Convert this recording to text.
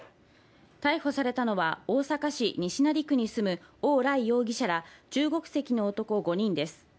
逮捕されたのは大阪市西成区に住むオウ・ライ容疑者ら、中国籍の男５人です。